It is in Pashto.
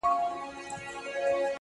په اول د پسرلي کي د خزان استازی راغی!.